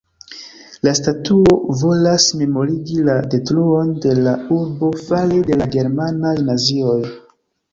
La statuo volas memorigi la detruon de la urbo fare de la germanaj nazioj.